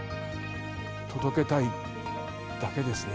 届けたいだけですね。